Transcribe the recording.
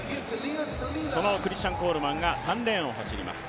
そのクリスチャン・コールマンが３レーンを走ります。